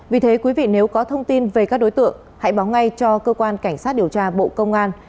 vì thế quý vị nếu có thông tin về các đối tượng hãy báo ngay cho cơ quan cảnh sát điều tra bộ công an